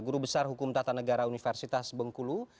guru besar hukum tata negara universitas bengkulu